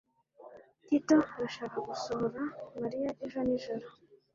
Tito arashaka gusohora Mariya ejo nijoro